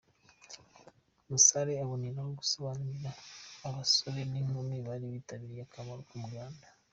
Musare aboneraho gusobanurira abasore n’inkumi bari bitabiriye akamaro k’umuganda.